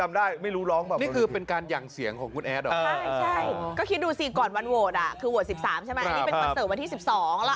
ไม่ได้เกียรติชั้นคุณพิธาไม่ได้เกียรติชั้นใคร